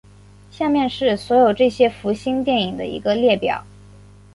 下面是所有这些福星电影的一个列表。